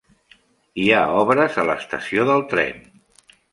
Hi ha obres a l'estació del tren.